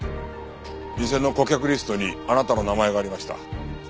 店の顧客リストにあなたの名前がありました。